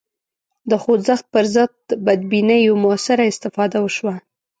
د خوځښت پر ضد بدبینیو موثره استفاده وشوه